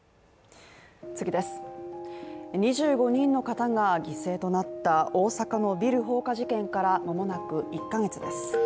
２５人の方が犠牲となった大阪のビル放火事件からまもなく１ヶ月です